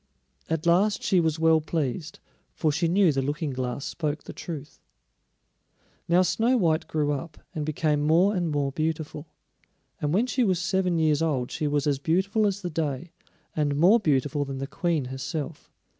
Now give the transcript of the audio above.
At last she was well pleased, for she knew the Looking glass spoke the truth. Now Snow white grew up, and became more and more beautiful; and when she was seven years old she was as beautiful as the day, and more beautiful than the Queen herself.